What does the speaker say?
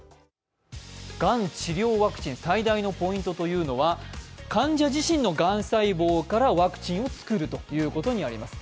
がん治療ワクチン、最大のポイントは患者自身のがん細胞からワクチンを作るということにあります。